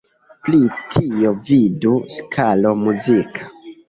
Pri tio vidu skalo muzika.